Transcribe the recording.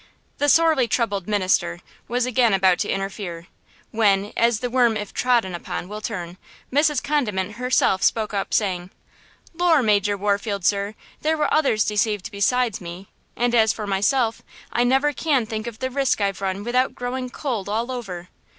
The sorely troubled minister was again about to interfere, when, as the worm if trodden upon, will turn, Mrs. Condiment herself spoke up, saying: "Lor, Major Warfield, sir, there were others deceived besides me, and as for myself, I never can think of the risk I've run without growing cold all over!"